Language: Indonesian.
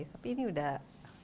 tapi ini udah